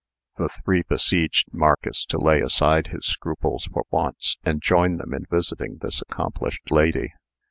The three besieged Marcus to lay aside his scruples for once, and join them in visiting this accomplished lady.